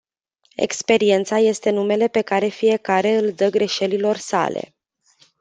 Experiența este numele pe care fiecare îl dă greșelilor sale.